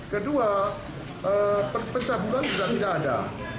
kedua pencabulan sudah tidak ada